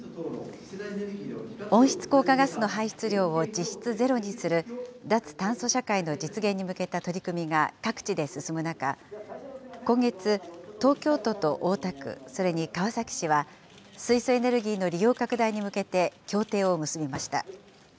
温室効果ガスの排出量を実質ゼロにする、脱炭素社会の実現に向けた取り組みが各地で進む中、今月、東京都と大田区、それに川崎市は、水素エネルギーの利用拡大に向けて協定を結びました。